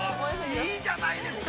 いいじゃないですか。